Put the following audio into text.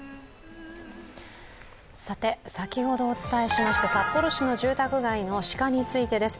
先ほどお伝えしました札幌市の住宅街の鹿にいてです。